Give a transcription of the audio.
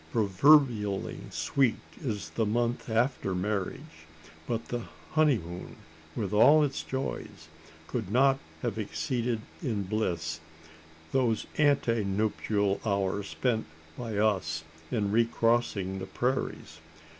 Proverbially sweet is the month after marriage; but the honeymoon, with all its joys, could not have exceeded in bliss those ante nuptial hours spent by us in recrossing the prairies.